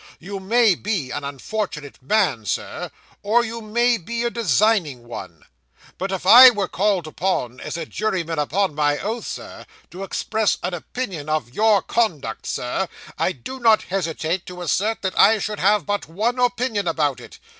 You may be an unfortunate man, Sir, or you may be a designing one; but if I were called upon, as a juryman upon my oath, Sir, to express an opinion of your conduct, Sir, I do not hesitate to assert that I should have but one opinion about it.